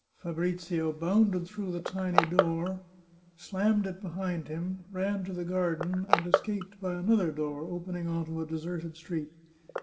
Fabrizio bounded through the tiny door, slammed it behind him, ran to the garden, and escaped by another door opening on to a deserted street.